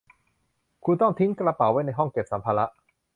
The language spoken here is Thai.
คุณต้องทิ้งกระเป๋าไว้ในห้องเก็บสัมภาระ